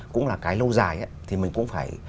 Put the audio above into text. cũng là cái lâu dài thì mình cũng phải